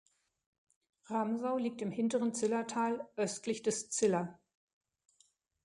Ramsau liegt im hinteren Zillertal, östlich des Ziller.